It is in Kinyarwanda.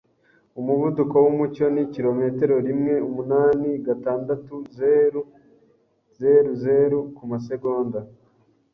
Umuvuduko wumucyo ni kilometero rimweumunanigatandatu.zeruzeruzeru kumasegonda.